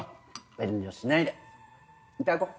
遠慮しないでいただこう。